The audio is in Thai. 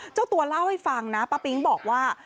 เจ้าตัวเล่าให้ฟังนะป้าปิ๊งบอกว่า